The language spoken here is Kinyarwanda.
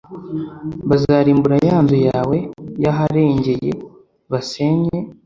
bazarimbura ya nzu yawe y aharengeye basenye